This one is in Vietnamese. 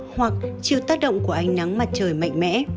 hoặc chịu tác động của ánh nắng mặt trời mạnh mẽ